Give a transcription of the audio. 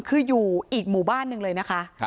คืออยู่อีกหมู่บ้านหนึ่งเลยนะคะ